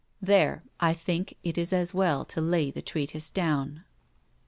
There, I think, it is as well to lay the treatise down.